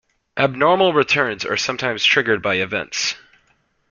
Abnormal returns are sometimes triggered by events.